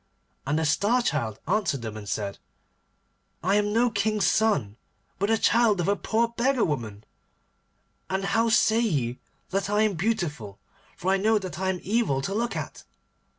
And the Star Child answered them and said, 'I am no king's son, but the child of a poor beggar woman. And how say ye that I am beautiful, for I know that I am evil to look at?